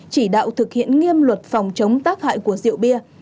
chỉ đạo thực hiện nghiêm luật phòng chống tác hại của rượu bia